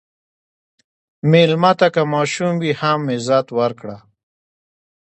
مېلمه ته که ماشوم وي، هم عزت ورکړه.